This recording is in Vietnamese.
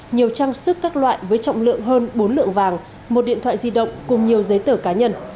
nhiều trang sức các loại với trọng lượng hơn bốn lượng vàng một điện thoại di động cùng nhiều giấy tờ cá nhân